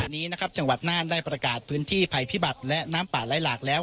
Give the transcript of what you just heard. วันนี้นะครับจังหวัดน่านได้ประกาศพื้นที่ภัยพิบัติและน้ำป่าไล่หลากแล้ว